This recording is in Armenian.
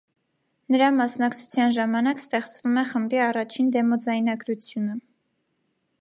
Նրա մասնակցության ժամանակ ստեղծվում է խմբի առաջին դեմոձայնագրությունը։